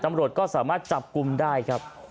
ตำรวจก็สามารถจับกลุ่มได้ครับ